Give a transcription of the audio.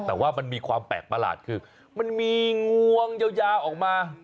แต่ว่ามันมีความแปลกประหลาดคือมันมีงวงยาวออกมา